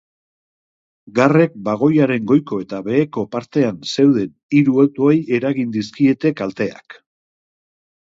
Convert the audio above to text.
Garrek bagoiaren goiko eta beheko partean zeuden hiru autoei eragin dizkiete kalteak.